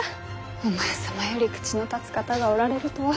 お前様より口の立つ方がおられるとは。